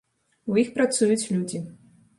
У іх працуюць людзі.